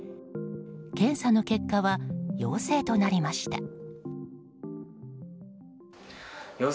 検査の結果は陽性となりました。